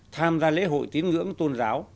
tham gia lễ hội tín ngưỡng tôn giáo